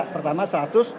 dua ratus pertama seratus